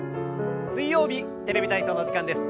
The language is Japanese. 水曜日「テレビ体操」の時間です。